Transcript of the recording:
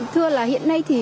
thưa là hiện nay